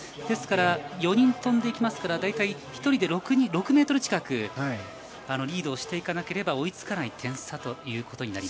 ですから、４人飛びますから大体１人で６ｍ近くリードをしていかなければ追いつかない点差です。